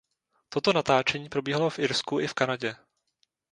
Toto natáčení probíhalo v Irsku i v Kanadě.